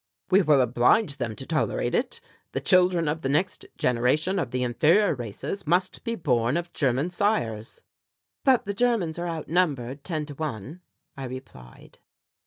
"We will oblige them to tolerate it; the children of the next generation of the inferior races must be born of German sires." "But the Germans are outnumbered ten to one," I replied.